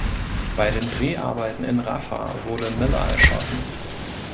Bei den Dreharbeiten in Rafah wurde Miller erschossen.